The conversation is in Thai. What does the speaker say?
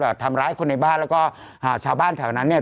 ทำร้ายคนในบ้านแล้วก็อ่าชาวบ้านแถวนั้นเนี่ย